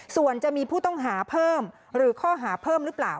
ส่วนจะมีผู้ต้องหาเพิ่มหรือข้อหาเพิ่มหรือเปล่า